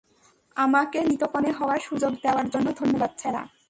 আমাকে নিতকনে হওয়ার সুযোগ দেওয়ার জন্য ধন্যবাদ, স্যারা।